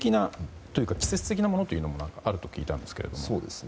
季節的なものもあると聞いたんですけども。